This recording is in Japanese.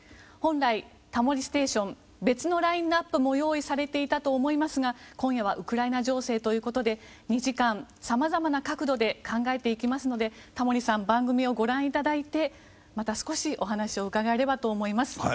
本来、「タモリステーション」別のラインアップも用意されていたと思いますが今夜はウクライナ情勢ということで２時間、さまざまな角度で考えていきますのでタモリさん、番組をご覧いただいてまた少しお話を伺えればと思います。